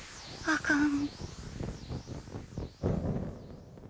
あかん！